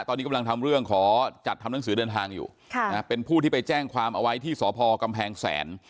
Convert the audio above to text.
ตอนนี้กำลังทำเรื่องขอจัดทำหนังสือเดินทางอยู่เป็นผู้ที่ไปแจ้งความเอาไว้ที่สพกำแพงแสน